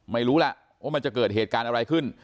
ไม่รู้แหละว่ามันจะเกิดเหตุการณ์อะไรขึ้น